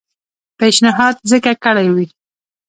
پېشنهاد ځکه کړی وي.